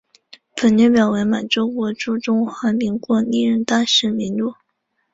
本列表为满洲国驻中华民国历任大使名录。